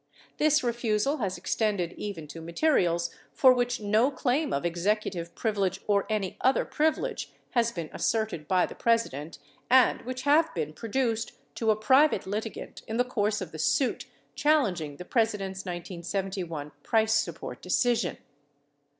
This refusal has extended even to materials for which no claim of executive privilege (or any other privilege) has been asserted by the President and which have been produced to a private litigant in the course of the suit challenging the President's 1971 price support decision.